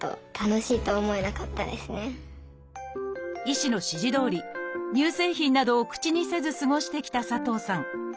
医師の指示どおり乳製品などを口にせず過ごしてきた佐藤さん。